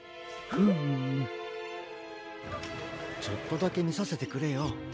ちょっとだけみさせてくれよ。